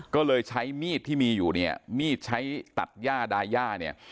ก็เลยใช้มีดที่มีอยู่เนี่ยมีดใช้ตัดย่าดาย่าเนี่ย